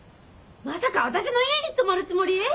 まさか私の家に泊まるつもり！？